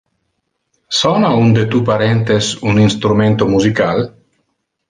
Sona un de tu parentes un instrumento musical?